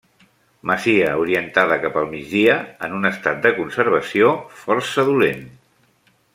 Masia orientada cap al migdia en un estat de conservació força dolent.